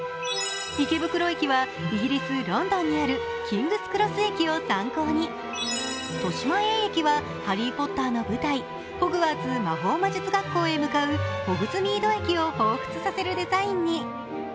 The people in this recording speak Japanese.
池袋駅はイギリス・ロンドンにあるキングスクロス駅を参考に豊島園駅は、「ハリー・ポッター」の舞台、ホグワーツ魔法魔術学校へ向かうホグズミード駅を彷彿させるデザインに。